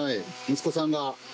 息子さんが。